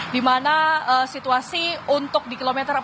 dimana situasi untuk di kilometer empat puluh delapan